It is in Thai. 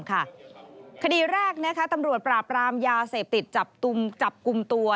คดีแรกตำรวจปราบรามยาเสพติดจับกลุ่มตัว